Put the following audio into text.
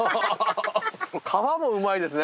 これ皮もうまいですね。